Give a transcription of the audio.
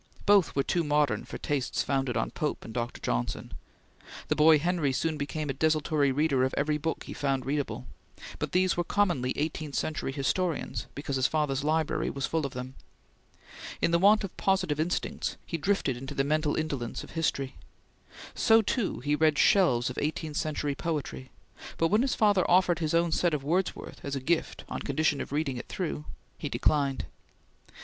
Both were too modern for tastes founded on Pope and Dr. Johnson. The boy Henry soon became a desultory reader of every book he found readable, but these were commonly eighteenth century historians because his father's library was full of them. In the want of positive instincts, he drifted into the mental indolence of history. So too, he read shelves of eighteenth century poetry, but when his father offered his own set of Wordsworth as a gift on condition of reading it through, he declined.